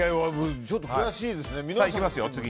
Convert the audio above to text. ちょっと悔しいですね。